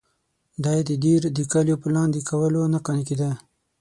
دی د دیر د کلیو په لاندې کولو نه قانع کېده.